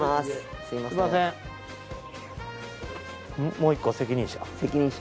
もう１個責任者？